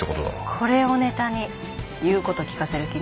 これをネタに言う事聞かせる気ね？